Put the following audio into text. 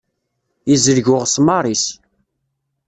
Yezleg uɣesmar-is.